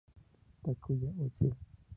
Takuya Uchida